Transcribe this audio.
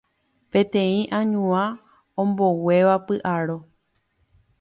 Peteĩ añuã omboguéva py'aro